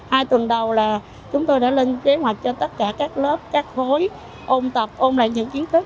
hai tuần đầu là chúng tôi đã lên kế hoạch cho tất cả các lớp các khối ôn tập ôm lại những kiến thức